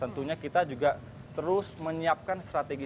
tentunya kita juga terus menyiapkan strategi